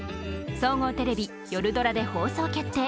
総合テレビ、夜ドラで放送決定。